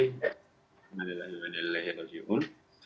alhamdulillah alhamdulillah ya tuhan